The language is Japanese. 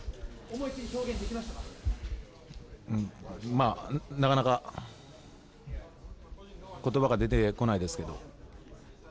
うん、まあなかなか言葉が出てこないですけど。